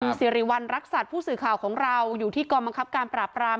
สิริวัณรักษัตริย์ผู้สื่อข่าวของเราอยู่ที่กองบังคับการปราบราม